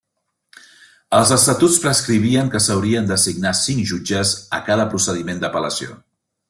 Els estatuts prescrivien que s'haurien d'assignar cinc jutges a cada procediment d'apel·lació.